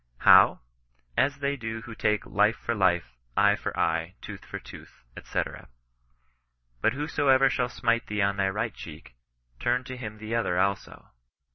How ? As they do who take " life for life, eye for eye, tooth for tooth," &c. " But whosoever shall smite thee on thy right cheek, turn to him the other also."